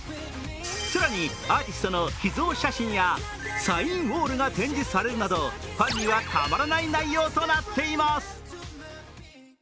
更に、アーティストの秘蔵写真やサインウォールが展示されるなどファンにはたまらない内容となっています。